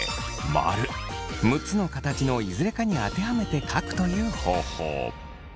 丸６つ形のいずれかに当てはめて書くという方法。